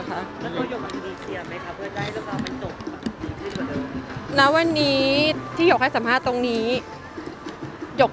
แล้วตัวหยกมีเสียบไหมคะ